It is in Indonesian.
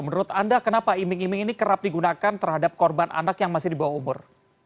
menurut anda kenapa iming iming ini kerap digunakan terhadap korban anak yang masih di bawah umur